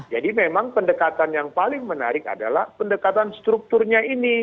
jadi memang pendekatan yang paling menarik adalah pendekatan strukturnya ini